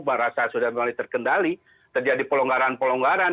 merasa sudah mulai terkendali terjadi pelonggaran pelonggaran